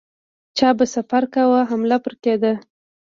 چا به سفر کاوه حمله پرې کېده.